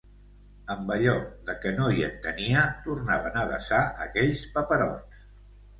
Amb allò de que no hi entenia, tornaven a desar aquells paperots